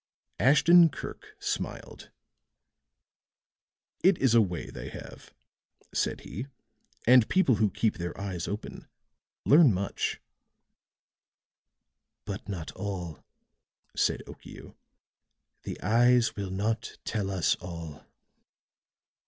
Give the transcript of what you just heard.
Ashton Kirk smiled. "It is a way they have," said he. "And people who keep their eyes open learn much." "But not all," said Okiu. "The eyes will not tell us all."